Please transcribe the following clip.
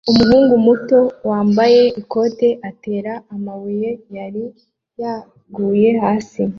Umuhungu muto wambaye ikoti atera amababi yari yaguye hasi